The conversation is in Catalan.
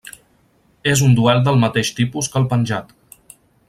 És un duel del mateix tipus que el penjat.